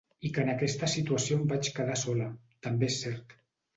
I que en aquesta situació en vaig quedar sola, també és cert.